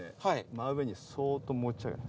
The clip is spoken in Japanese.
真上にそっと持ち上げる。